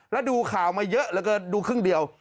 แล้วดูข่าวมาเยอะแล้วก็ดูครึ่งเดียว